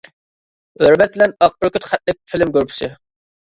ھۆرمەت بىلەن: ئاق بۈركۈت خەتلىك فىلىم گۇرۇپپىسى.